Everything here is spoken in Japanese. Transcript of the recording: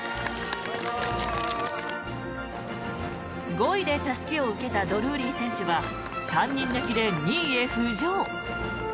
５位でたすきを受けたドルーリー選手は３人抜きで２位へ浮上。